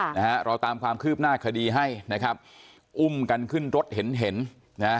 นะฮะเราตามความคืบหน้าคดีให้นะครับอุ้มกันขึ้นรถเห็นเห็นนะฮะ